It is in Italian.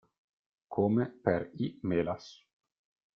Come per "I. melas".